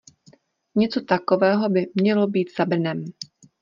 Něco takového by mělo být za Brnem.